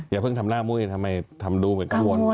อย่าเพิ่งทำหน้ามุ้ยทำไมทำดูเหมือนกังวล